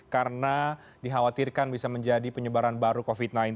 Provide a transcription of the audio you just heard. karena dikhawatirkan bisa menjadi penyebaran baru covid sembilan belas